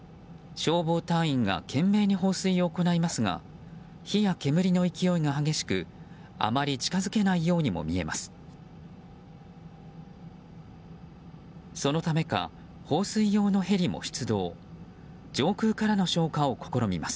消防隊員が懸命に放水を行いますが火や煙の勢いが激しくあまり近づけないようにも見えます。